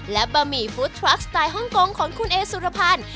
และบะหมี่ฟู้ดทรัคสไตล์ฮ่องกงของคุณเอสุรพันธ์